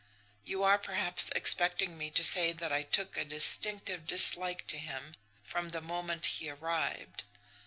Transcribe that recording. You are, perhaps, expecting me to say that I took a distinctive dislike to him from the moment he arrived?